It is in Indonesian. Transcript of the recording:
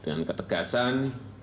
dengan tegasan dengan tegasan